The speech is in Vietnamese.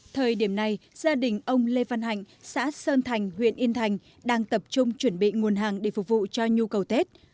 thời điểm này gia đình ông lê văn hạnh xã sơn thành huyện yên thành đang tập trung chuẩn bị nguồn hàng để phục vụ cho nhu cầu tết